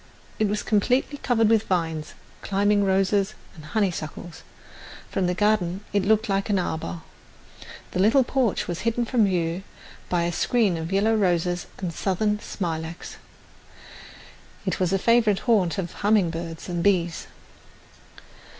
It was completely covered with vines, climbing roses and honeysuckles. From the garden it looked like an arbour. The little porch was hidden from view by a screen of yellow roses and Southern smilax. It was the favourite haunt of humming birds and bees.